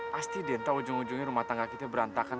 pasti deh entah ujung ujungnya rumah tangga kita berantakan